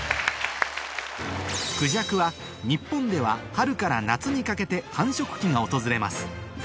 クジャクは日本では春から夏にかけて繁殖期が訪れます